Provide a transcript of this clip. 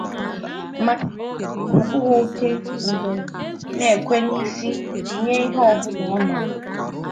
maka na mmadụ abụghị oke ngwere na-ekwe n'isi nye ihe ọbụla ọ nụrụ